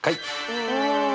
お。